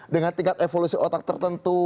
dengan tingkat evolusi otak tertentu